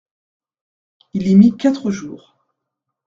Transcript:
Il y mit quatre jours.